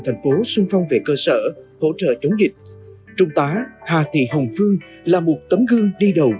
thành phố sung phong về cơ sở hỗ trợ chống dịch trung tá hà thị hồng phương là một tấm gương đi đầu